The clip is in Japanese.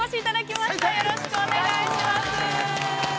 ◆よろしくお願いします。